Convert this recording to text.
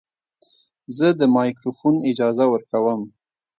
زه د مایکروفون اجازه ورکوم.